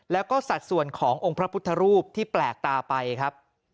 แล้วก็สัดส่วนขององค์พระพุทธรูปที่แปลกตาไปครับ